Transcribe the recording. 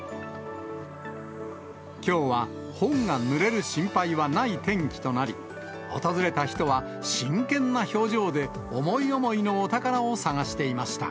きょうは本がぬれる心配はない天気となり、訪れた人は真剣な表情で、思い思いのお宝を探していました。